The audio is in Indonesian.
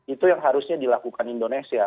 itu yang harusnya dilakukan indonesia